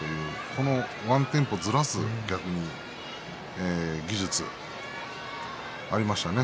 このワンテンポずらすこの技術ありましたね。